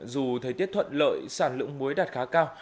dù thời tiết thuận lợi sản lượng muối đạt khá cao